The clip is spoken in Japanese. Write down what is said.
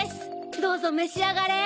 どうぞめしあがれ。